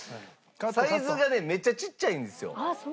サイズがねめっちゃちっちゃいんですよ。